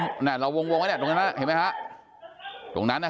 แบบนี้เราวงไว้เนี้ยตรงนั้นฮะเห็นมั้ยคะตรงนั้นเนี้ย